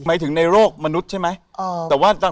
หมายถึงในโลกมนุษย์ใช่ไหม